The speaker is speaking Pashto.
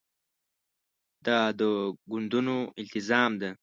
دا د ګوندونو التزام ده.